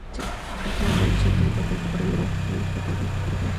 Situado en el Frente de Andalucía, tuvo un papel poco relevante durante la contienda.